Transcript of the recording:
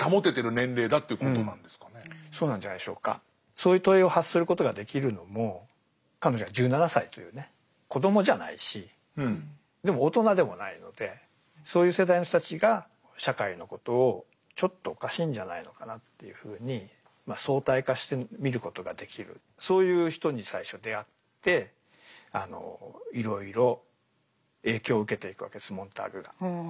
そういう問いを発することができるのも彼女が１７歳というね子どもじゃないしでも大人でもないのでそういう世代の人たちが社会のことをちょっとおかしいんじゃないのかなっていうふうにまあ相対化して見ることができるそういう人に最初出会っていろいろ影響を受けていくわけですモンターグが。